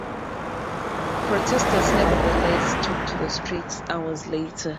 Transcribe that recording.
Protesters nevertheless took to the streets hours later.